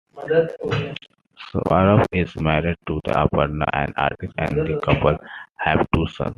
Swarup is married to Aparna, an artist, and the couple have two sons.